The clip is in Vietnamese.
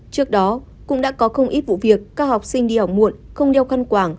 trước đó cũng đã có không ít vụ việc các học sinh đi học muộn không đeo khăn quảng